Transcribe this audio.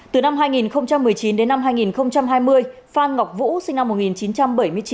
từ năm hai nghìn một mươi chín đến năm hai nghìn hai mươi phan ngọc vũ sinh năm một nghìn chín trăm bảy mươi chín